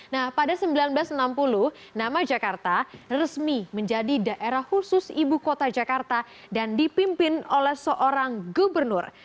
nah pada seribu sembilan ratus enam puluh nama jakarta resmi menjadi daerah khusus ibu kota jakarta dan dipimpin oleh seorang gubernur